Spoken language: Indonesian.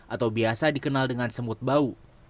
atau biasa dikenal dengan semut bau